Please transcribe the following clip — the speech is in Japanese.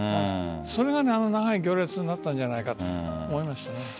それが長い行列になったんじゃないかと思いました。